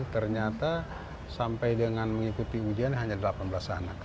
ternyata sampai dengan mengikuti ujian hanya delapan belas anak